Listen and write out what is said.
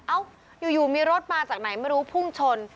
เอ้าอยู่มีรถมาจากไหนไม่รู้พุ่งชน